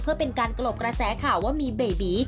เพื่อเป็นการกลบกระแสข่าวว่ามีเบบี